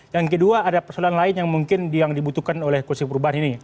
yang kedua ada persoalan lain yang mungkin yang dibutuhkan oleh koalisi perubahan ini